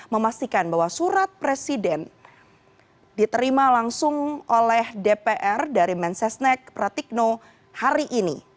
memastikan bahwa surat presiden diterima langsung oleh dpr dari mensesnek pratikno hari ini